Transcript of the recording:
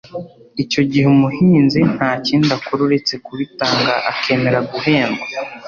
Icyo gihe umuhinzi nta kindi akora uretse kubitanga akemera guhendwa